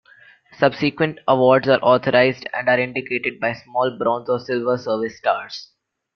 Subsequent awards are authorized, and are indicated by small bronze or silver service stars.